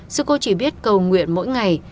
sư cô chỉ biết cầu nguyện mỗi ngày